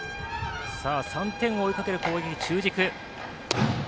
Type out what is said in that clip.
３点を追いかける攻撃中軸。